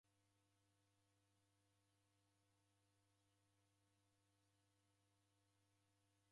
Ndediw'adie w'uloli ngera agho makaratasi ni gha kilolia.